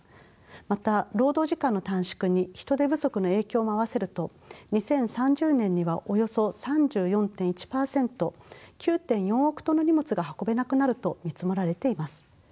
また労働時間の短縮に人手不足の影響も合わせると２０３０年にはおよそ３４．１％９．４億トンの荷物が運べなくなると見積もられています。